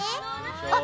あっ！